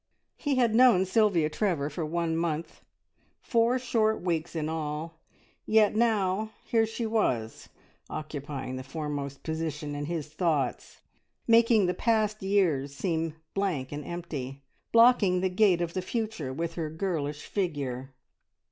He had known Sylvia Trevor for one month, four short weeks in all, yet now here she was occupying the foremost position in his thoughts, making the past years seem blank and empty, blocking the gate of the future with her girlish figure.